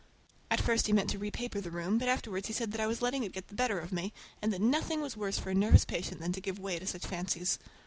At first he meant to repaper the room, but afterwards he said that I was letting it get the better of me, and that nothing was worse for a nervous patient than to give way to such fancies.